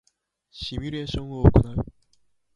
シミュレーションを行う